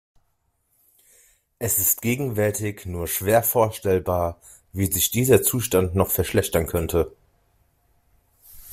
Es ist gegenwärtig nur schwer vorstellbar, wie sich dieser Zustand noch verschlechtern könnte.